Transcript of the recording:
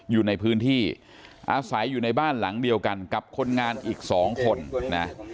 อยู่ในพื้นที่อาศัยอยู่ในบ้านหลังเดียวกันกับคนงานอีกสองคนนะ